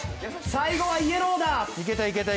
最後はイエローだ。